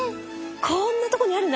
こんなとこにあるの？